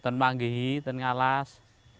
tidak memanggil tidak mengalas